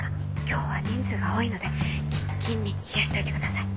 今日は人数が多いのでキンキンに冷やしておいてください。